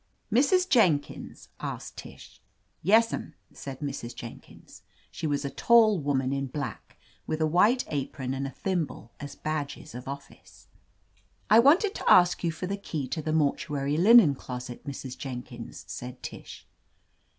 'Mrs. Jenkins?" asked Tish. Tes'm," said Mrs. Jenkins. She was a tall woman, in black, with a white apron and a thimble as badges of office. "I wanted to ask you for the key to the mortuary linen closet, Mrs. Jenkins," said Tish.